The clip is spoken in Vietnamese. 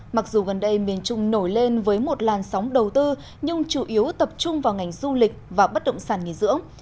mặc dù gần đây miền trung nổi lên với một làn sóng đầu tư nhưng chủ yếu tập trung vào ngành du lịch và bất động sản nghỉ dưỡng